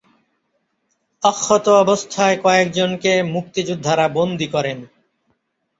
অক্ষত অবস্থায় কয়েকজনকে মুক্তিযোদ্ধারা বন্দী করেন।